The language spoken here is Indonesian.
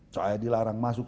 saya dilarang masuk